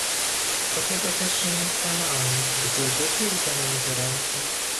"„Dla tego też i nie kłamałem, gdy wybór dano mi do ręki."